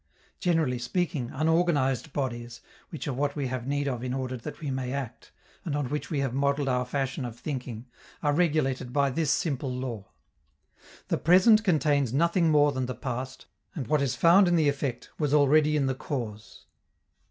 Generally speaking, unorganized bodies, which are what we have need of in order that we may act, and on which we have modelled our fashion of thinking, are regulated by this simple law: the present contains nothing more than the past, and what is found in the effect was already in the cause.